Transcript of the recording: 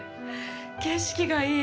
景色がいい。